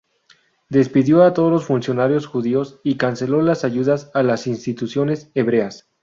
Despidió a todos los funcionarios judíos y canceló las ayudas a las instituciones hebreas.